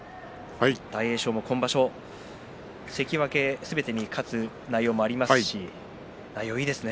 大栄翔は今場所関脇戦すべてに勝つ内容もありますし内容がいいですね。